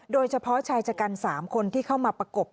โดยเฉพาะชายชะกัน๓คนที่เข้ามาประกบ